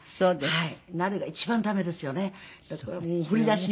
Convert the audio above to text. はい。